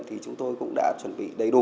thì chúng tôi cũng đã chuẩn bị đầy đủ